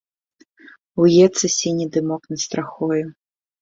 Уецца сіні дымок над страхою.